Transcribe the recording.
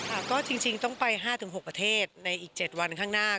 อาจงงต้องไป๕ถึง๖ประเทศในอีก๗วันข้างหน้า